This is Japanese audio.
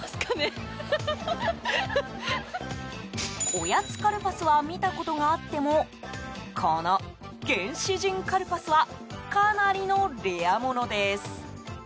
おやつカルパスは見たことがあってもこの原始人カルパスはかなりのレアものです。